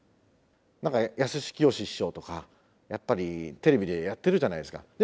何かやすしきよし師匠とかやっぱりテレビでやってるじゃないですか。